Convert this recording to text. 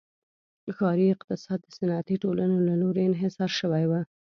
ښاري اقتصاد د صنفي ټولنو له لوري انحصار شوی و.